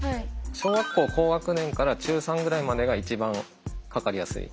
小学校高学年から中３ぐらいまでが一番かかりやすい。